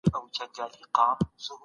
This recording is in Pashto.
پيګو یوازې پلورل کېدونکي خدمات رفاه وبلل.